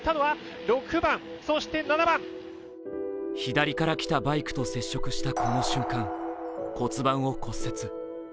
左から来たバイクと接触したこの瞬間、骨盤を骨折。